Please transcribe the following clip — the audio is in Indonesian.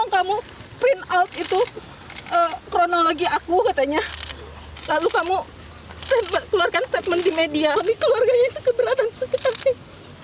kamu keluarkan statement di media keluarganya sekeberatan sekeberatan